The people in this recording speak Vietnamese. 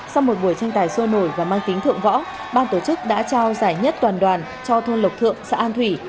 sau một buổi tranh tài sôi nổi và mang tính thượng võ ban tổ chức đã trao giải nhất toàn đoàn cho thôn lộc thượng xã an thủy